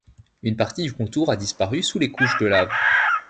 Une partie du contour a disparu sous les couches de lave.